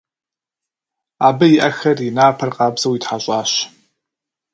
Абы и ӏэхэр, и напэр къабзэу итхьэщӏащ.